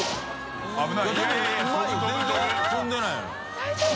大丈夫？